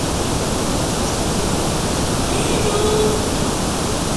Nevertheless, other patients were successful in becoming pregnant and having children.